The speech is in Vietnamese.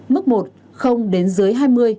mức một đến dưới hai mươi